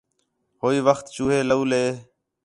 ہوئی وخت چوہے تولے